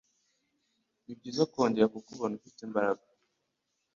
Nibyiza kongera kukubona ufite imbaraga.